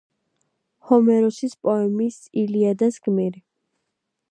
ჰომეროსის პოემის „ილიადას“ გმირი.